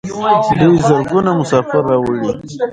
دوی زرګونه مسافر راوړي.